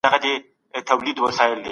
شتمن له کارګرانو څه ترلاسه کوي؟